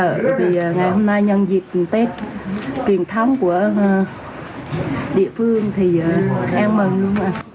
bởi vì ngày hôm nay nhân dịp tết truyền thống của địa phương thì em mừng luôn